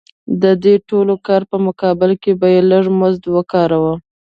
د دې ټول کار په مقابل کې به یې لږ مزد ورکاوه